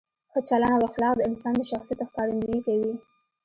ښه چلند او اخلاق د انسان د شخصیت ښکارندویي کوي.